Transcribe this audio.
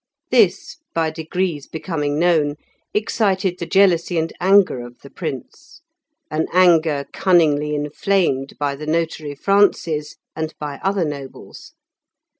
This, by degrees becoming known, excited the jealousy and anger of the Prince, an anger cunningly inflamed by the notary Francis, and by other nobles.